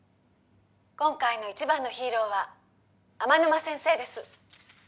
今回の一番のヒーローは天沼先生です